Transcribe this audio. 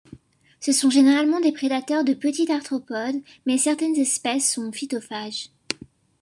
Ce sont généralement des prédateurs de petits arthropodes, mais certaines espèces sont phytophages.